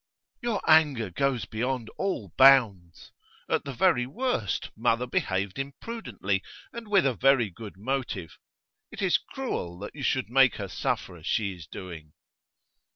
'Your anger goes beyond all bounds. At the very worst, mother behaved imprudently, and with a very good motive. It is cruel that you should make her suffer as she is doing.